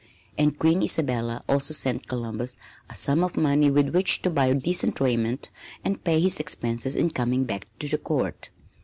And Queen Isabella also sent Columbus a sum of money with which to buy decent raiment and pay his expenses in coming back to the Court.